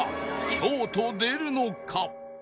凶と出るのか？